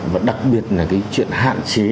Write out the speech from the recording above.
và đặc biệt là cái chuyện hạn chế